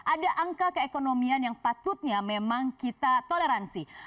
ada angka keekonomian yang patutnya memang kita toleransi